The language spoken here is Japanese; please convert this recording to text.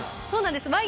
そうなんです